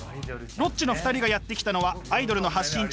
ロッチの２人がやって来たのはアイドルの発信地